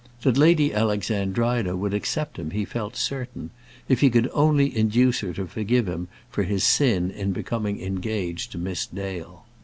That Lady Alexandrina would accept him he felt certain, if he could only induce her to forgive him for his sin in becoming engaged to Miss Dale.